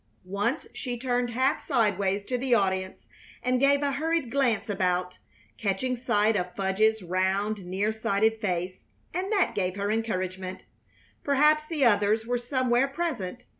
Once she turned half sideways to the audience and gave a hurried glance about, catching sight of Fudge's round, near sighted face, and that gave her encouragement. Perhaps the others were somewhere present.